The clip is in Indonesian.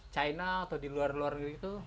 china atau di luar luar negeri itu